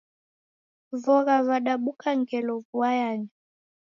Vogha vadabuka ngelo vua yanya